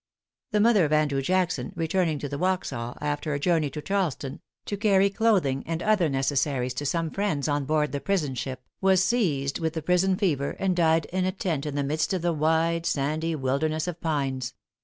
The mother of Andrew Jackson, returning to the Waxhaw, after a journey to Charleston to carry clothing and other necessaries to some friends on board the prison ship, was seized with the prison fever, and died in a tent, in the midst of the wide, sandy wilderness of pines.